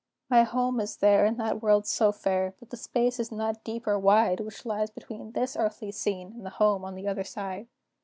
My home is there, in that world so fair, But the space is not deep or wide Which lies between this earthly scene And the home on the other side.